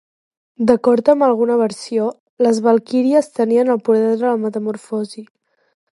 D'acord amb alguna versió, les valquíries tenien el poder de la metamorfosi?